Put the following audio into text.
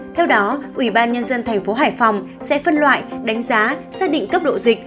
theo đó ủy ban nhân dân thành phố hải phòng sẽ phân loại đánh giá xác định cấp độ dịch